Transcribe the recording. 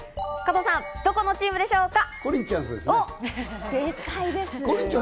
加藤さん、どこのチームでしょうか？